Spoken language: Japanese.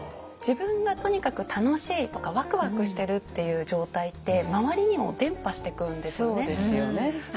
自分がとにかく楽しいとかワクワクしてるっていう状態って周りにも伝播していくんですよね。